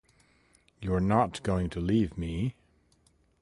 You’re not going to leave me.